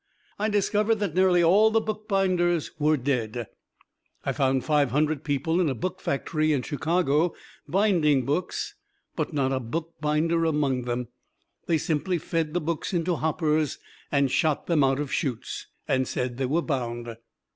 I discovered that nearly all the bookbinders were dead. I found five hundred people in a book factory in Chicago binding books, but not a bookbinder among them. They simply fed the books into hoppers and shot them out of chutes, and said they were bound.